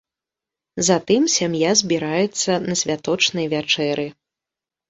Затым сям'я збіраецца на святочнай вячэры.